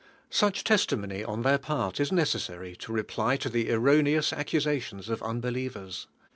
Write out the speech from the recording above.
Such testimony on their part is neces sary to reply to | he erroneous accusations of unbelievers.